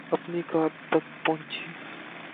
اپنی کار تک پہنچی